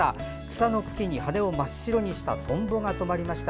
草の茎に羽を真っ白にしたトンボがとまりました。